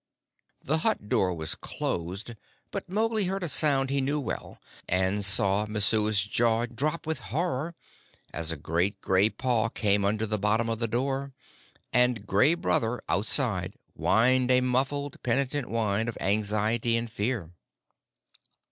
The hut door was closed, but Mowgli heard a sound he knew well, and saw Messua's jaw drop with horror as a great gray paw came under the bottom of the door, and Gray Brother outside whined a muffled and penitent whine of anxiety and fear.